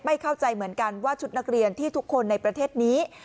เข้าใจเหมือนกันว่าชุดนักเรียนที่ทุกคนในประเทศนี้